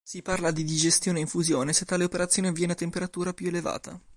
Si parla di digestione e infusione se tale operazione avviene a temperatura più elevata.